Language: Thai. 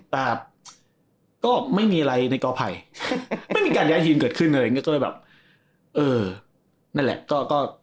แต่ก็ไม่มีอะไรในกอไผ่ไม่มีการย้ายทีมเกิดขึ้นอะไรอย่างนี้ก็เลยแบบเออนั่นแหละก็